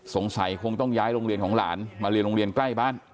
สงสัยคงต้องย้ายโรงเรียนของหลานมาเรียนโรงเรียนใกล้บ้าน